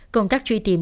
công tác truy tìm